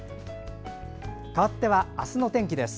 かわっては、あすの天気です。